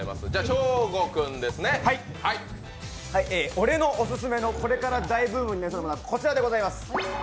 俺のオススメの「これから大ブームになりそうなもの」はこちらです。